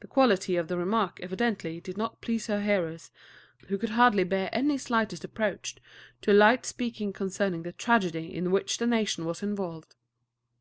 The quality of the remark evidently did not please her hearers, who could hardly bear any slightest approach to light speaking concerning the tragedy in which the nation was involved.